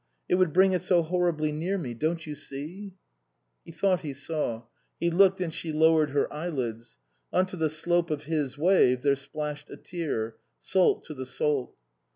It would bring it so horribly near me don't you see ?" He thought he saw. He looked, and she lowered her eyelids. On to the slope of his wave there splashed a tear, salt to the salt.